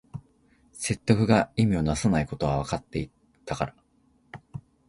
説得が意味をなさないことはわかっていたから